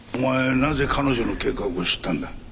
なぜ彼女の計画を知ったんだ？